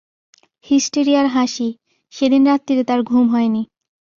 হিস্টিরিয়ার হাসি, সেদিন রাত্তিরে তার ঘুম হয় নি।